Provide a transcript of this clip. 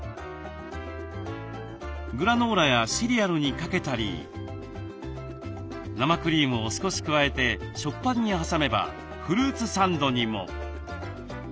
グラノーラやシリアルにかけたり生クリームを少し加えて食パンに挟めばフルーツサンドにも。